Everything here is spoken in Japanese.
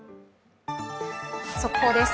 速報です。